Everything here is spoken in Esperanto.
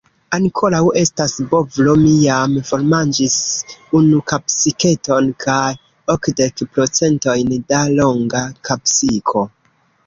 Ankoraŭ estas bovlo, mi jam formanĝis unu kapsiketon, kaj okdek procentojn da longa kapsiko.